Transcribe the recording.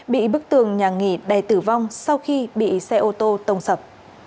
bị bức tường nhà nghỉ đè tử vong sau khi bị xe ô tô tông sập